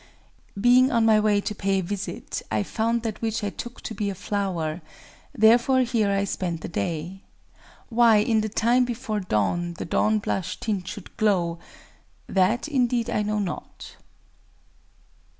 ["_Being on my way to pay a visit, I found that which I took to be a flower: therefore here I spend the day... Why, in the time before dawn, the dawn blush tint should glow—that, indeed, I know not.